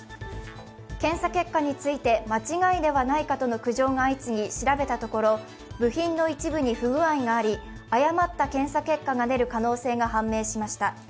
検査結果について、間違いではないかとの苦情が相次ぎ、調べたところ、部品の一部に不具合があり、誤った検査結果が出る可能性が判明しました。